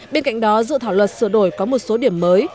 bên cạnh đó dự thảo luật sửa đổi có một số điểm mới